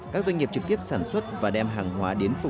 các doanh nghiệp trực tiếp sản xuất và đem hàng hóa đến